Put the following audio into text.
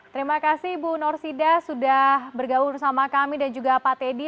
terima kasih ibu norsida sudah bergabung bersama kami dan juga pak teddy